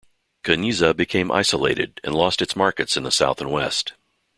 Kanizsa became isolated and lost its markets in the south and west.